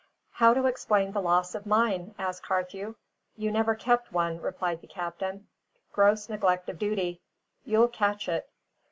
"How to explain the loss of mine?" asked Carthew. "You never kept one," replied the captain. "Gross neglect of duty. You'll catch it."